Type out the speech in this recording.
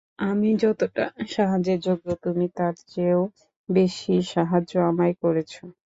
আমি যতটা সাহায্যের যোগ্য, তুমি তার চেয়েও বেশী সাহায্য আমায় করেছ।